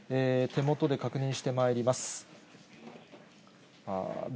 手元で確認してまいります。